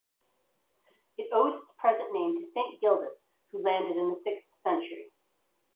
It owes its present name to Saint Gildas who landed in the sixth century.